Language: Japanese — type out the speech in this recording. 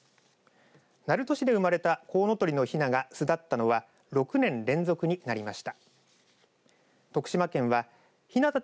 鳴門市で生まれたコウノトリのひなが巣立ったのは６年連続になりました。